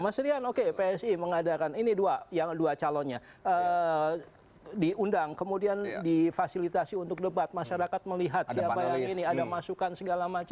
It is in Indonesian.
mas rian oke psi mengadakan ini dua calonnya diundang kemudian difasilitasi untuk debat masyarakat melihat siapa yang ini ada masukan segala macam